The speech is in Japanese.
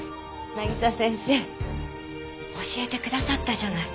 渚先生教えてくださったじゃない。